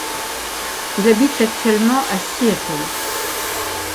Il habite actuellement à Seattle.